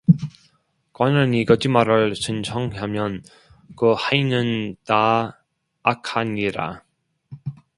관원이 거짓말을 신청하면 그 하인은 다 악하니라